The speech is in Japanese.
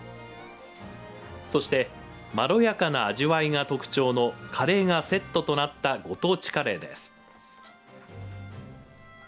そしてまろやかな味わいが特徴のカレーがセットとなった「ご当地カレー」です。